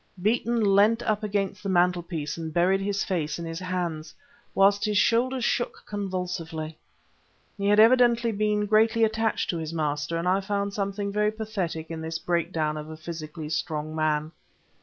Beeton leant up against the mantelpiece and buried his face in his hands, whilst his shoulders shook convulsively. He had evidently been greatly attached to his master, and I found something very pathetic in this breakdown of a physically strong man.